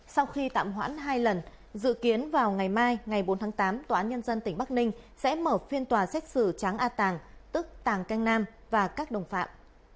sau khi tạm hoãn hai lần dự kiến vào ngày mai ngày bốn tháng tám tòa án nhân dân tỉnh bắc ninh sẽ mở phiên tòa xét xử tráng a tàng tức tàng canh nam và các đồng phạm